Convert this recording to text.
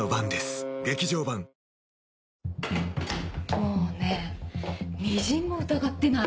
もうねみじんも疑ってない。